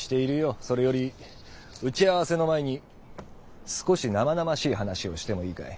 それより打ち合わせの前に少しナマナマしい話をしてもいいかい？